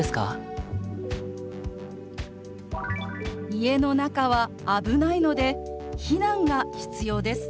「家の中は危ないので避難が必要です」。